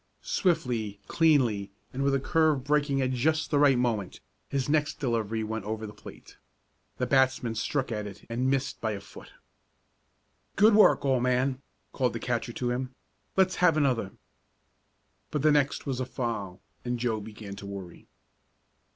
Swiftly, cleanly, and with the curve breaking at just the right moment, his next delivery went over the plate. The batsman struck at it and missed by a foot. "Good work, old man!" called the catcher to him. "Let's have another." But the next was a foul, and Joe began to worry.